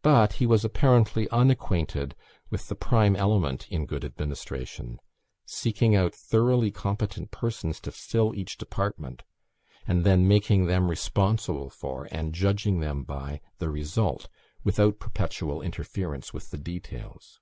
But he was apparently unacquainted with the prime element in good administration seeking out thoroughly competent persons to fill each department, and then making them responsible for, and judging them by, the result, without perpetual interference with the details.